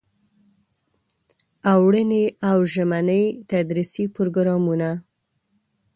اوړني او ژمني تدریسي پروګرامونه.